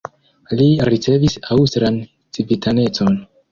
Li ricevis aŭstran civitanecon.